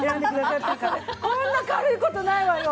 こんな軽い事ないわよ！